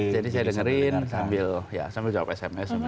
jadi saya dengerin sambil jawab sms